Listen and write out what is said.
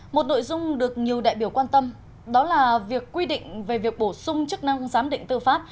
một nội dung được nhiều đại biểu quan tâm đó là việc quy định về việc bổ sung chức năng giám định tư pháp